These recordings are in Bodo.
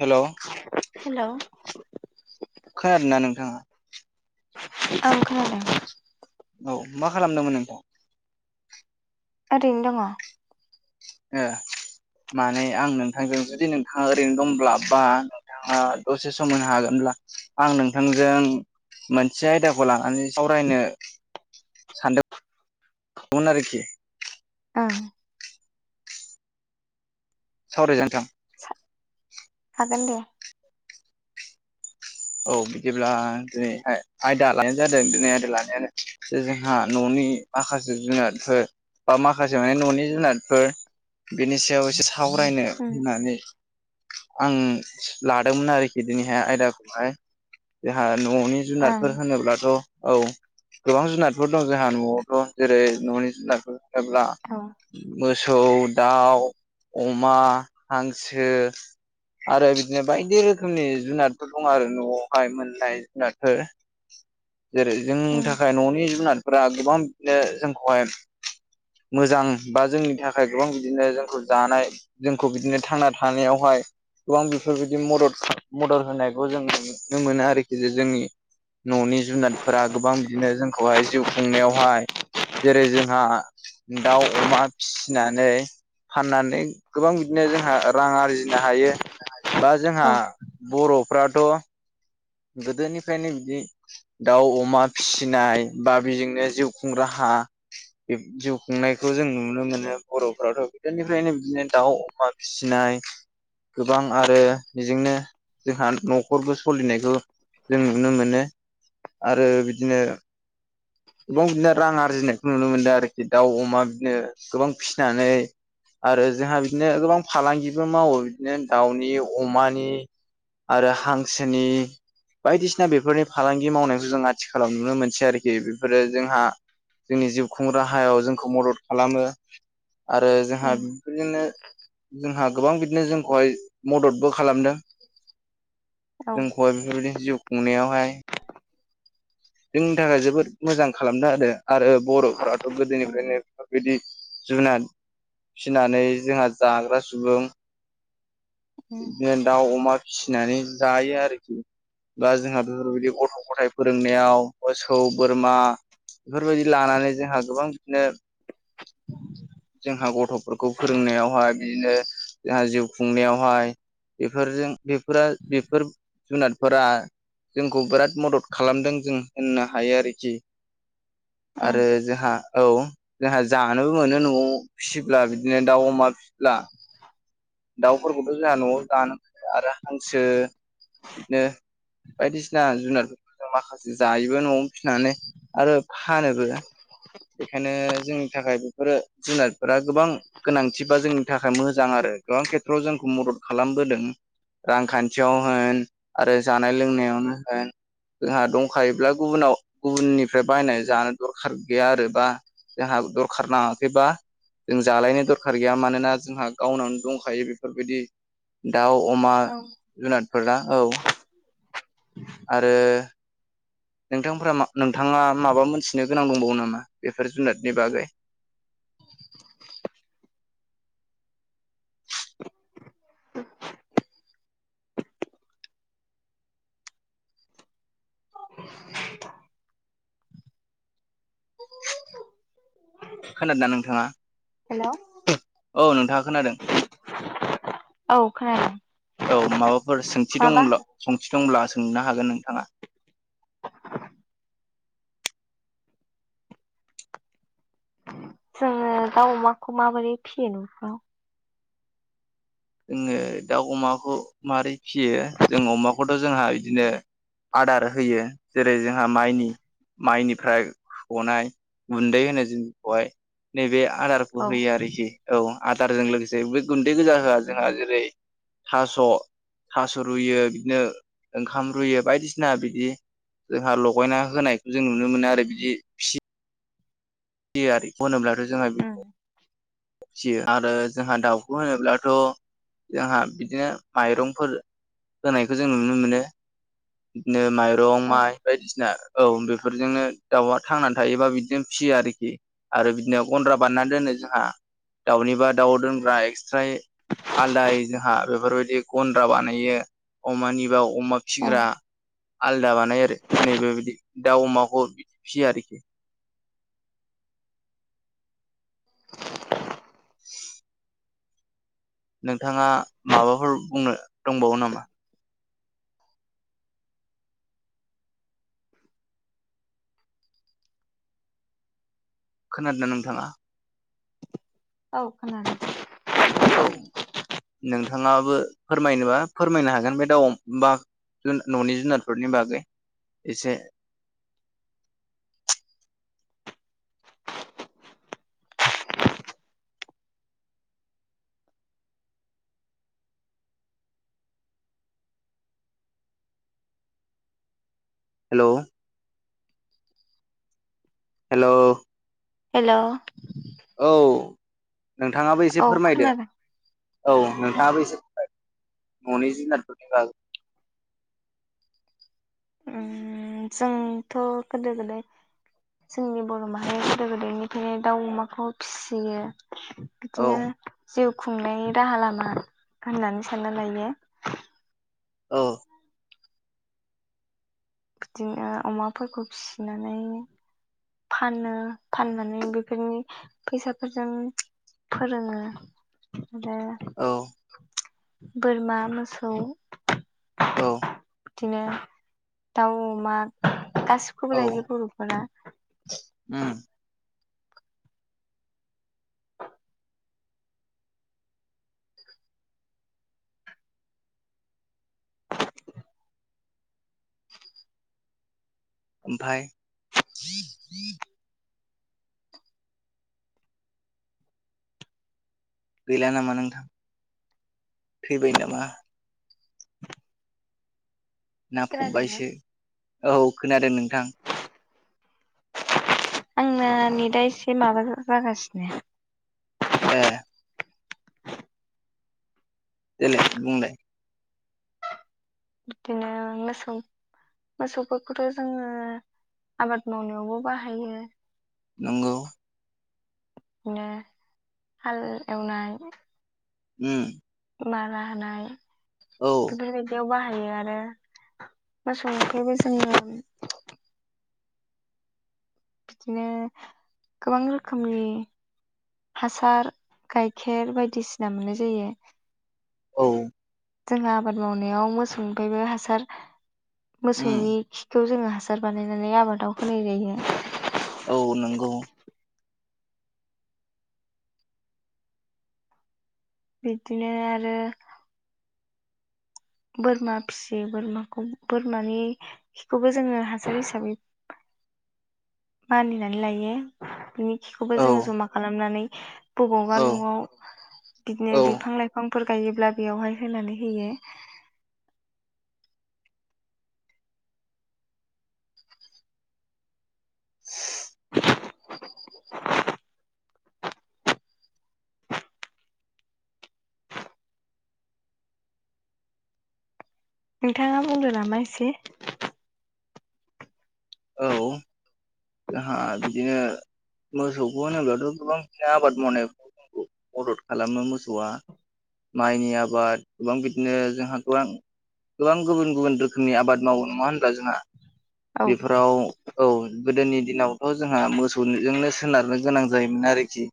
हेलौ हेल' खोनादोना नोंथाङा? ओं खोनादों औ मा खालामदोंमोन नोंथां? ओरैनो दङ' ए माने आं नोंथांजों जुदि नोंथाङा ओरैनो दंब्ला बा ओ दसे सम होनो हागोनब्ला आं नोंथांजों मोनसे आयदाखौ लानानै सावरायनो सानदोंमोन आरोखि। ओं सावरायजागोन नोंथां हागोन दे औ बिदिब्ला दिनै आयदा लानाय जादों दिनै आयदा लानायानो [unintelligible] जोंहा न'नि माखासे जुनादफोर बा माखासे माने न'नि जुनादफोर बेनि सायाव एसे सावरायनो उम होननानै आं लादोंमोन आरोखि दिनैहाय आयदा हाय जोंहा न'नि ओं जुनारफोर होनोब्लाथ' औ गोबां जुनारफोर दं जोंहा न'आवथ' जेरै न'नि जुनारफोर जब्ला औ मोसौ दाउ अमा हांसो आरो बिदिनो बायदि रोखोमनि जुनाद फोर दं आरो न'आवहाय मोननाय जुनादफोर जेरै जोंनि उम थाखाय न'नि जुनादफोरा गोबां बिदिनो जोंखौहाय मोजां बा जोंनि थाखाय गोबां बिदिनो जोंखौ जानाय जोंखौ बिदिनो थांना थानायावहाय गोबां बेफोरबायदि मदद मदद होनाय बेखौ जों नुनो मोनो आरोखि जे जोंनि न'नि जुनादफोरा गोबां बिदिनो जोंखौहाय जिउ खुंनायावहाय जेरै जोंहा दाउ अमा फिसिनानै फाननानै गोबां बिदिनो जोंहा रां आरजिनो हायो। बा जोंहा औ बर'फ्राथ' गोदोनिफ्रायनो बिदि दाउ अमा फिसिनाय बा बेजोंनो जिउ खुं राहा जिउ खुंनायखौ जों नुनो मोनो बर'फोराथ' गोदोनिफ्रायनो बिदिनो दाउ अमा फिसिनाय गोबां आरो बिजोंनो जोंहा न'खरखौ सलिनायखो जों नुनो मोनो आरो बिदिनो [unintelligible] रां आरजिनायखौ नुनो मोनदो आरोखि दाउ अमा बिदिनो गोबां फिसिनानै आरो जोंहा बिदिनो गोबां फालांगिबो मावो बिदिनो दाउनि अमानि आरो हांसोनि बायदिसिना बेफोरनि फालांगि मावनायखौ जों आथिखालाव नुनो मोनसै आरोखि बेफोरो जोंहा जोंनि जिउ खुं राहायाव जोंखौ मदद खालामो आरो जोंहा उम [inaudible] दिनो जोंहा गोबां बिदिनो जोंखौहाय मददबो खालामदों औ जोंखौहाय बेफोरबायदिनो जिउ खुंनायावहाय जोंनि थाखाय जोबोद मोजां खालामना होदो आरो बर'फोराथ' उम गोदोनिफ्रायनो बिदि जुनाद फिनानै जोंहा जाग्रा सुबुं उम बिदिनो दाउ अमा फिसिनानै जायो आरोखि बा जोंहा बेफोरबायदि गथ' गथाइ फोरोंनायाव मोसौ बोरमा बेफोरबायदि लानानै जोंहा गोबां बिदिनो जोंहा गथ'फोरखौ फोरोंनायावहाय बिदिनो जोंहा जिउ खुंनायाव हाय बेफोरजों बेफोरा बेफोर जुनादफोरा जोंखौ बोराद मदद खालामदों जों होननो हायो आरोखि। उम आरो जोहा औ जाहा जानोबो मोनो न'आव फिसिब्ला बिदिनो दाउ अमा फिसिब्ला दाउफोरखौथ' जोंहा न'आव जानो आरो हांसो नो बायदिसिना जुनादफोरखौ माखासे जायोबो न'आवनो फिसिनानै आरो फानोबो बेखायनो जोंनि थाखाय बेफोरो जुनारफोरा गोबां गोनांथिबा जोंनि थाखाय मोजां आरो। गोबां खेथ्रआव जोंखौ मदद खालामबोदों रांखान्थियाव होन आरो जानाय लोंनायावनो होन जोंहा दंखायोब्ला गुबुनाव गुबुननिफ्राय बायनानै जानो दरखार गैया आरो बा जाहा दरखार नाङाखै बा जों जालायनो दरखार गैया मानोना जोंहा गावनावनो दं खायो बेफोरबायदि दाउ अमा औ जुनादफोरा औ। आरो नोंथांफोरा नोंथाङा माबा मोनथिनो गोनां दंबावो नामा? बेफोर जुनादनि बागै [inaudible] [unintelligible] खोनादोंना नोंथाङा? हेलौ औ नोंथां खोनादों औ खोनादों [inaudible] सोंथि माबा दंब्ला सोंनो हागोन नोंथाङा। जोङो दाउ अमाखौ माबोरै फियो न'खराव? जोङो दाउ अमाखौ मारै फियो जों अमाखौथ' जोंहा बिदिनो आदार होयो जेरै जोंहा माइनि माइनिफ्राय गनाय गुन्दै होनो जायखौहाय नैबे आदार औ होयो आरोखि औ आदारजों लोगोसे बे गुन्दै गोजा होआ जोंहा जेरै थास' थास' रुयो बिदिनो ओंखाम रूयो बायदिसिना बिदि जोंहा लगायना होनायखौ जों नुनो मोनो आरो बिदि थियारि होनोब्लाथ' जोंहा बि उम फिसियो आरो जोंहा दाउखौ होनोब्लाथ' जोंहा बिदिनो माइरंफोर होनायखौ जों नुनो मोनो बिदिनो माइरं औ माइ बायदिसिना औ बेफोरजोंनो दाउआ थांनानै थायोबा बिदिनो फियो आरो आरो बिदिनो गन्द्रा बानायना दोनो जोहा दाउनिबा दाउ दोनग्रा एस्राहै आलदायै जोंहा बेफोरबायदि गन्द्रा बानायो अमानिबा अमा औ फिग्रा आलदा बानायो आरो नैबे बिदि दाउ अमाखौ फियो आरोखि [unintelligible] [unintelligible] नोंथाङा माबाफोर बुंनो दंबावो नामा? खोनादोंना नोंथाङा? औ खोनादों औ नोंथाङाबो फोरमायनोबा फोरमायनो हागोन बे दाउ [unintelligible] जु न'नि जुनारफोरनि बागै एसे हेल' हेल' हेल' औ नोंथाङाबो एसे औ फोरमायदो खोनादों औ नोंथाङाबो एसे फोरमायदो न'नि जुनादफोरनि बागै उम जोंथ' गोदो गोदाय जोंनि बर' माहारिया गोदो गोदायनिफायनो दाउ अमाखौ फिसियो। औ बिदिनो जिउ खुंनाय राहा लामा होननानै सानना लायो। औ बिदिनो अमाफोरखौ फिसिनानै फानो फाननानै बेफोरनि फैसाफोरजों फोरोङो आरो औ बोरमा मोसौ औ बिदिनो दाउ अमा गासैखौबो औ लायो बर'फोरा। उम ओमफाय गैला नामा नोंथां? [unintelligible] ना खोनादोंना फबबायसो औ खोनादों नोंथां आंना नेदा एसे माबा जागासिनो ऐह देलाय बुंलाय बिदिनो मोसौ मोसौफोरखौथ' जोङो आबाद मावनायावबो बाहायो। नंगौ बिदिनो हाल एवनाय उम मारा होनाय औ बेफोरबायदियाव बाहायो आरो मोसौनिफ्रायबो जोङो बिदिनो गोबां रोखोमनि हासार गाइखेर बायदिसिना मोननाय जायो औ जोंहा आबाद मावनायाव मोसौनिफ्रायबो हासार उम मोसौनि खौ जोङो हासार बानायनानै आबादाव होनाय जायो औ नंगौ बिदिनो आरो बोरमा फियो बोरमाखौ बोरमानििखौबो जोङो हासार हिसाबै मानिनानै लायो बिनि खिखौबो औ जोङो जमा खालामनानै बबावयावबा औ न'आव बिदिनो औ बिफां लाइफांफोर गायोब्ला बेयावहाय होनानै होयो नोंथाङा बुंदों नामा एसे औ जोंहा बिदिनो मोसौखौ होनोब्लाथ' गोबांनो आबाद मावनायखौ मदद खालामो मोसौआ माइनि आबाद गोबां बिदिनो जोंहा गोबां गोबां गुबुन गुबुन रोखोमनि आबाद मावो नङा होनबब्ला जोंहा औ बेफोराव औ गोदोनि दिनावथ' जोंहा मोसौजोंनो सोनारनो गोनां जायोमोन आरोखि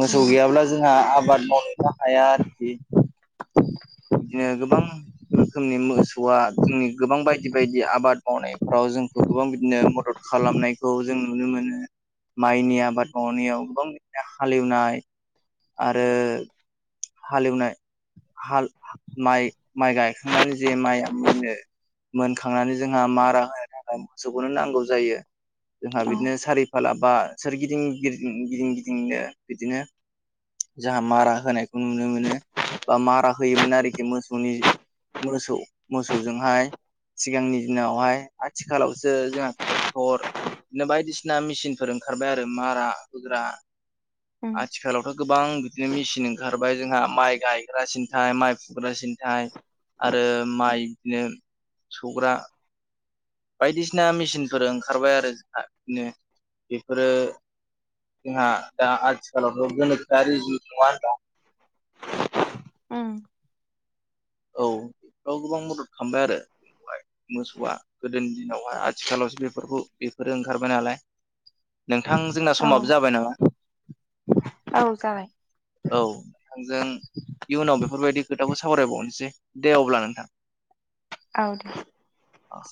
मोसौ गैयाब्ला जोंहा आबाद मावनोनो हाया आरोखि बिदिनो गोबां रोखोमनि मोसौआ जोंनि गोबां बायदि बायदि आबाद मावनायफ्राव जों गोबां बिदिनो मदद खालामनायखौ जों नुनो मोनो। माइनि आबाद मावनायाव गोबांनो हालेवनाय आरो हालेवनाय माइ माइ गायखांनानै जे माइया मोनो। मोनखांनानै जोंहा मारा होनो थाखाय मोसौखौनो नांगौ जायो जोंहा औ बिदिनो सारि फाला बा सोर गिदिं गिदि गिदिं गिदिंनो बिदिनो जाहा मारा होनायखौ नुनो मोनो बा मारा होयोमोन आरोखि मोसौनि मोसौ मोसौजोंहाय सिगांनि दिनावहाय आथिखालावसो जोंहा ट्रेक्टर बिदिनो बायदिसिना मेसिनफोर ओंखारबाय आरो मारा होग्रा आथिखालावथ' गोबां बिदिनो मेचिन ओंखारबाय जोंहा माइ गायग्रासिनथाय माइ फुग्रा सिनथाय आरो माइ बिदिनो सौग्रा बायदिसिना मेसिनफोर ओंखारबाय आरो बिनो बेफोरो जोंहा दा आथिखालावथ' गोनोखोआरि जि नङा होना उम औ बेफोराव गोबां मदद खालामबाय आरो बेखौ मोसौआ गोदोनि दिनावहाय आथिखालावसो बेफोरखौ बेफोरो ओंखारबाय नालाय नोंथां जोंना समाबो औ जाबाय नामा औ जाबाय औ नोंथांजों इयुनाव बेफोरबायदि खोथाखौ सावरायबावनोसै सै दे अब्ला नोंथां औ दे अ